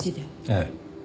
ええ。